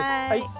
はい。